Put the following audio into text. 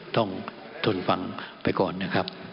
ทนฟังไปก่อนนะครับ